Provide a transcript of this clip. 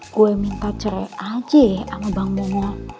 gue minta cerai aja sama bang momo